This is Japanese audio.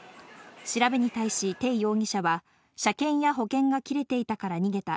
調べに対し、テイ容疑者は、車検や保険が切れていたから逃げた。